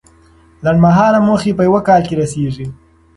لنډمهاله موخې په یو کال کې رسیږي.